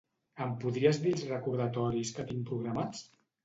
Em podries dir els recordatoris que tinc programats?